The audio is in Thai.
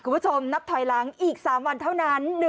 คุณผู้ชมนับถอยล้างอีก๓วันเท่านั้น